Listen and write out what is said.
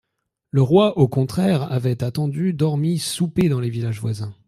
Le roi, au contraire, avait attendu, dormi, soupé dans les villages voisins.